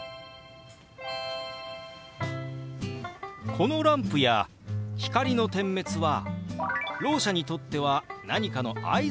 このランプや光の点滅はろう者にとっては何かの合図になるんでしたね。